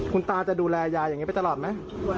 คุณตาจะดูแลยายอย่างนี้ไปตลอดไหม